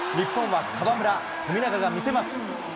日本は河村、富永が見せます。